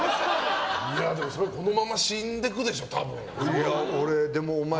でも、それはこのまま死んでいくでしょう、多分。